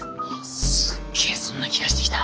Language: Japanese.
すっげえそんな気がしてきた。